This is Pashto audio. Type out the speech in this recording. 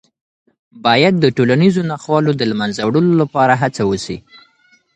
باید د ټولنیزو ناخوالو د له منځه وړلو لپاره هڅه وسي.